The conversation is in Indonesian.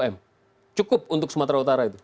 lima puluh m cukup untuk sumatera utara itu